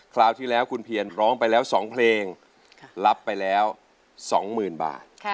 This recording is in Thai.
คราวที่แล้วคุณเพียรร้องไปแล้ว๒เพลงรับไปแล้ว๒๐๐๐บาท